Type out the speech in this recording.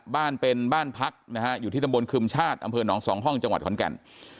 บ้านเป็นบ้านพักนะฮะอยู่ที่ตำบลคึมชาติอำเภอหนองสองห้องจังหวัดขอนแก่น